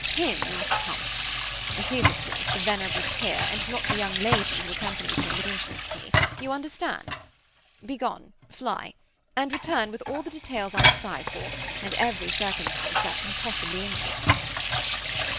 Him you must pump. It is, of course, the venerable peer, and not the young lady who accompanies him, that interests me you understand? Begone! fly! and return with all the details I sigh for, and every circumstance that can possibly interest me."